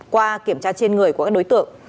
qua kiểm tra trên người của các đối tượng